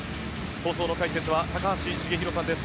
放送の解説は高橋繁浩さんです。